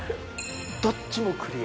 どっちもクリア。